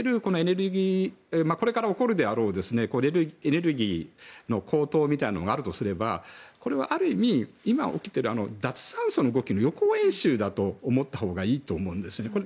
これから起こるであろうエネルギーの高騰みたいなものがあるとすれば、これはある意味今起きている脱炭素の動きの予行演習だと思ったほうがいいと思うんですよね。